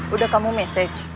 udah kamu mesej